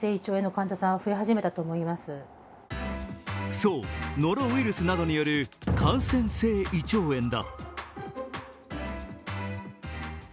そう、ノロウイルスなどによる感染性胃腸炎だ。